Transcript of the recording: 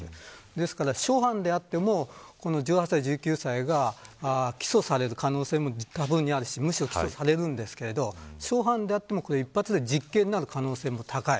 ですから、初犯であっても１８歳１９歳が起訴される可能性は多分にあるしむしろ起訴されるんですけど初犯であっても一発で実刑になる可能性も高い。